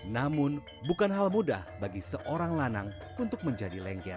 namun bukan hal mudah bagi seorang lanang untuk menjadi lengger